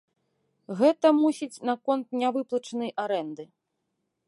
Гэта, мусіць, наконт нявыплачанай арэнды.